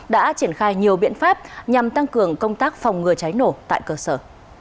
đã triển khai nhiều biện pháp nhằm tăng cường công tác phòng ngừa cháy nổ tại cơ sở